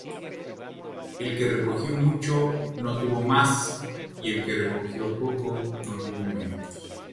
El que recogió mucho, no tuvo más; y el que poco, no tuvo menos.